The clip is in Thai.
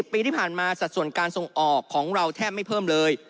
ปีที่ผ่านมาสัดส่วนการส่งออกของเราแทบไม่เพิ่มเลย